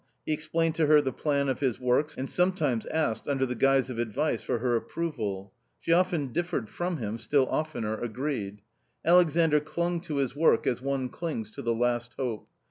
He explained to her the J , plan of his works and sometimes asked — under the guise of advice for her approval. She often differed from him, still oftener agreed. Alexandr clung to his work, as one clings to the last hope.